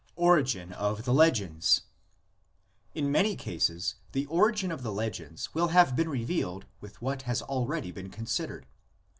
ORIGIN OF THE LEGENDS. In many cases the origin of the legends will have been revealed with what has already been considered.